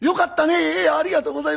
ええ。